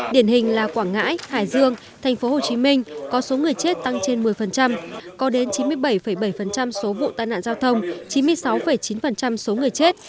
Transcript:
điển hình là quảng ngãi hải dương tp hcm có số người chết tăng trên một mươi có đến chín mươi bảy bảy số vụ tai nạn giao thông chín mươi sáu chín số người chết